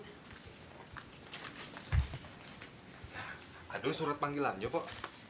nah ada surat panggilan yuk pok